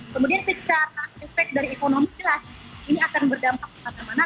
kemudian secara efek dari ekonomi jelas ini akan berdampak kemana mana